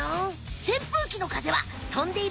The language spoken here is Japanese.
せんぷうきの風はとんでいる